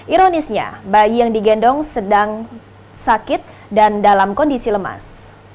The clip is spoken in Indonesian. ironisnya bayi yang digendong sedang sakit dan dalam kondisi lemas